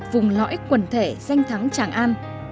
vùng lõi quần thể danh thắng tràng an